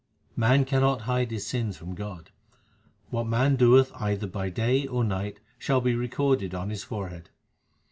Man cannot hide his sins from God : What man doeth either by day or night shall be recorded on his forehead.